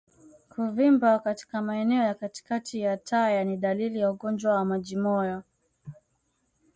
Kuvimba katika maeneo ya katikati ya taya ni dalili ya ugonjwa wa majimoyo